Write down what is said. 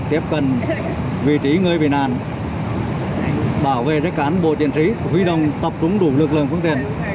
tiếp cận vị trí người bị nạn bảo vệ cho cán bộ chiến sĩ huy động tập trung đủ lực lượng phương tiện